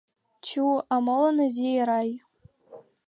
Чу, а молан изи Эрай?